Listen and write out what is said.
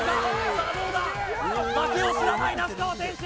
さあどうだ負けを知らない那須川天心